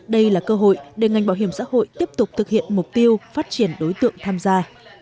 đây là cơ hội để ngành bảo hiểm xã hội tiếp tục thực hiện mục tiêu phát triển đối tượng tham gia